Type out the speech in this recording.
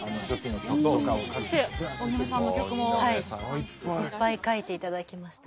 いっぱい書いていただきました。